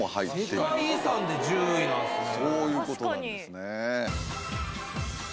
世界遺産で１０位なんすね。